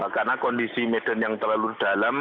karena kondisi medan yang terlalu dalam